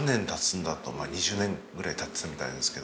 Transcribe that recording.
まあ２０年ぐらい経ってたみたいですけど。